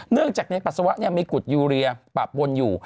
เนื่องจากปัสสาวะมีกรดยูเลียปรับปนอยู่